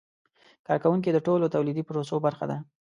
کارکوونکي د ټولو تولیدي پروسو برخه دي.